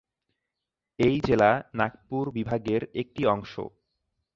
এই জেলা নাগপুর বিভাগের একটি অংশ।